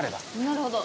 なるほど。